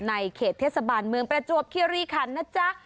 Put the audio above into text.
เขตเทศบาลเมืองประจวบคิริขันนะจ๊ะ